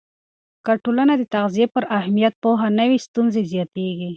که ټولنه د تغذیې پر اهمیت پوهه نه وي، ستونزې زیاتېږي.